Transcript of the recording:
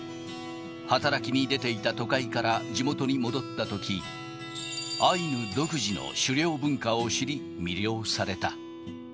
働きに出ていた都会から地元に戻ったとき、アイヌ独自の狩猟文化を知り、魅了された。